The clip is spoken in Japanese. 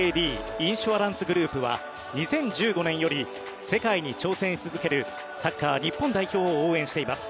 インシュアランスグループは２０１５年より世界に挑戦し続けるサッカー日本代表を応援しています。